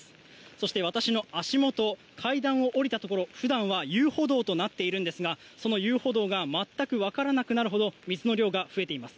そして私の足元階段を下りたところ普段は遊歩道となっているんですがその遊歩道が全くわからなくなるほど水の量が増えています。